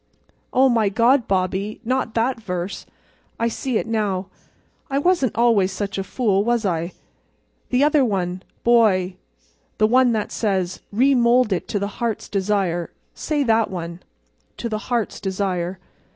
"Oh, my God, Bobbie—not that verse—I see now. I wasn't always such a fool, was I? The other one, boy—the one that says: 'Remould it to the Heart's Desire.' Say that one—'to the Heart's Desire.